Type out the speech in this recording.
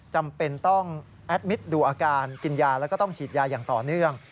จำเป็นต้องแอดมิตรดูอาการกินยาแล้วก็ต้องฉีดยาอย่างต่อเนื่อง